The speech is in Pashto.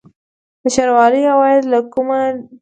د ښاروالۍ عواید له کومه دي؟